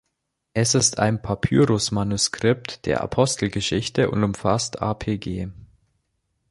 Es ist ein Papyrusmanuskript der Apostelgeschichte und umfasst Apg.